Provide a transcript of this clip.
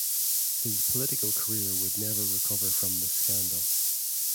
His political career would never recover from this scandal.